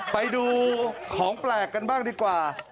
ไปดูของแปลกกันบ้างดีกว่า